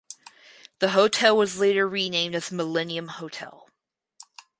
The hotel was later renamed as Millenium Hotel.